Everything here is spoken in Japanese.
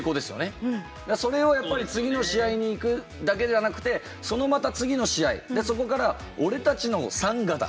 それをやっぱり次の試合に行くだけじゃなくてそのまた次の試合でそこから「俺たちのサンガだ」